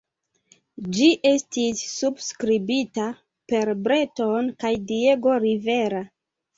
Ĝi estis subskribita per Breton kaj Diego Rivera.